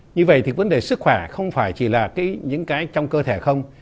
như vậy thì vấn đề sức khỏe không phải chỉ là những cái trong cơ thể không